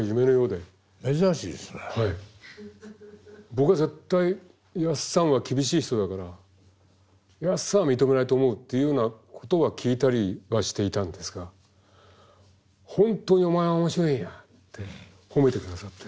僕は絶対「やっさんは厳しい人だからやっさんは認めないと思う」っていうようなことは聞いたりはしていたんですが「本当にお前は面白いんや」って褒めてくださって。